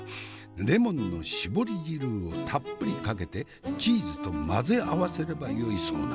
レモンの搾り汁をたっぷりかけてチーズと混ぜ合わせればよいそうな。